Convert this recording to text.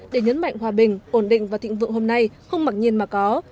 để nhấn mạnh hòa bình ổn định và thịnh vượng hôm nay không mặc nhiên mà có